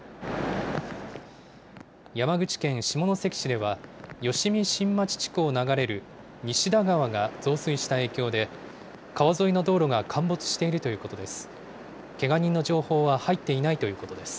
山口県下関市では、吉見新町地区を流れる西田川が増水した影響で、川沿いの道路が陥没しているということです。